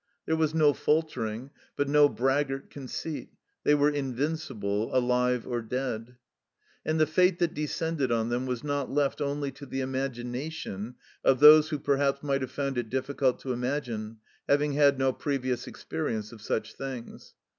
There was no faltering, but no braggart conceit ; they were invincible alive or dead. And the fate that descended on them was not left only to the imagination of those who perhaps might have found it difficult to imagine, having had no previous experience of such things.